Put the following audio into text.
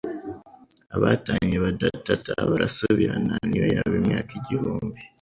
Abatanye badatata barasubirana niyo yaba imyaka ibihumbi.